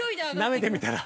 ◆なめてみたら？